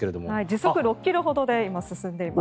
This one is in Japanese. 時速６ｋｍほどで進んでいます。